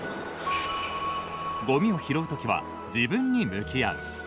ごみを拾うときは自分に向き合う。